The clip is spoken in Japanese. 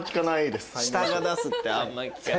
下が出すってあんまり聞かない。